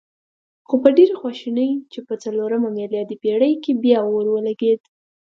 خو په ډېرې خواشینۍ چې په څلورمه میلادي پېړۍ کې بیا اور ولګېد.